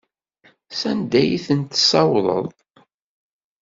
Sanda ay ten-tessawḍeḍ?